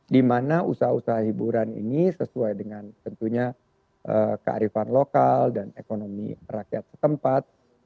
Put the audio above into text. dimana usaha usaha hiburan ini sesuai dengan tentunya kearifan lokal dan ekonomi rakyat setempat